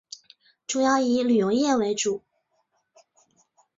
主要以旅游业为主。